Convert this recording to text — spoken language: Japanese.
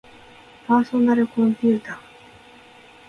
パーソナルコンピューター